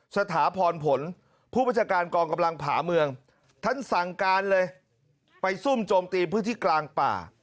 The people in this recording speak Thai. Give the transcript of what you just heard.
สถาพรผลผู้บัญชาการกองกำลังผาเมืองท่านสั่งการเลยไปซุ่มโจมตีพื้นที่กลางป่า